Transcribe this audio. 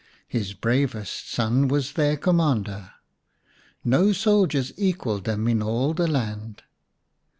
His bravest son was their commander ; no soldiers equalled them in all the land.